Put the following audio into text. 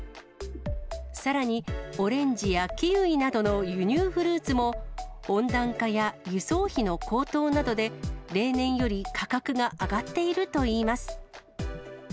さらに、オレンジやキウイなどの輸入フルーツも、温暖化や輸送費の高騰などで、例年より価格が上がっているといいます。